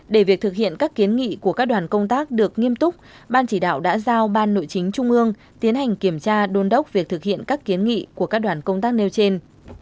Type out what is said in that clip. để việc thực hiện các kiến nghị của các đoàn công tác được nghiêm túc ban chỉ đạo đã giao ban nội chính trung ương tiến hành kiểm tra đôn đốc việc thực hiện các kiến nghị của các đoàn công tác nêu trên